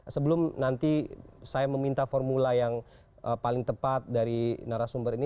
sebelum nanti saya meminta formula yang paling tepat dari narasumber ini